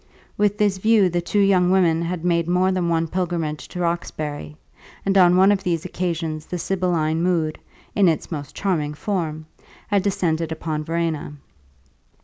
With this view the two young women had made more than one pilgrimage to Roxbury, and on one of these occasions the sibylline mood (in its most charming form) had descended upon Verena.